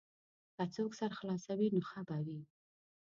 که څوک سر خلاصوي نو ښه به وي.